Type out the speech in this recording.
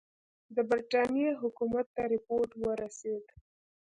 د برټانیې حکومت ته رپوټ ورسېد.